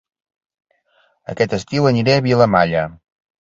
Aquest estiu aniré a Vilamalla